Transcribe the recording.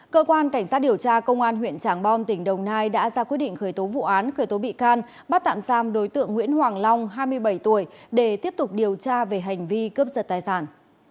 cơ quan cảnh sát điều tra công an huyện tràng bom tỉnh đồng nai đã ra quyết định khởi tố vụ án khởi tố bị can bắt tạm giam đối tượng nguyễn hoàng long hai mươi bảy tuổi để tiếp tục điều tra về hành vi cướp giật tài sản